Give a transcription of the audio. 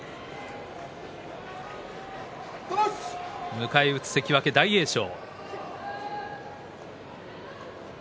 迎え撃つ、関脇大栄翔。